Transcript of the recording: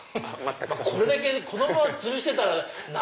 これだけこのままつるしてたら何？